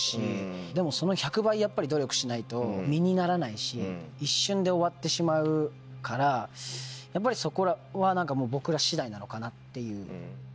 でもその１００倍努力しないと身にならないし一瞬で終わってしまうからやっぱりそこは僕ら次第なのかなっていう。